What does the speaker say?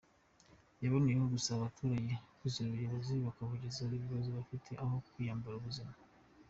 Yaboneyeho gusaba abaturage kwizera ubuyobozi bakabugezaho ibibazo bafite aho kwiyambura ubuzima.